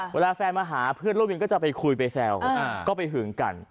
เวลาแฟนมาหาเพื่อนร่วมวินก็จะไปคุยไปแซวก็ไปหึงกัน